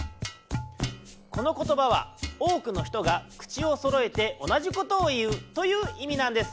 このことばはおおくのひとが口をそろえて同じことをいうといういみなんです。